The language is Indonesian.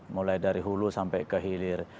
mulai dari hulu sampai ke hilir